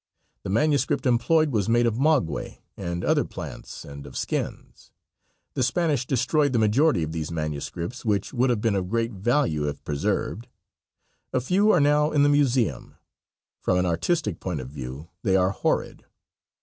The manuscript employed was made of maguey and other plants and of skins. The Spanish destroyed the majority of these manuscripts, which would have been of great value if preserved. A few are now in the museum. From an artistic point of view they are horrid.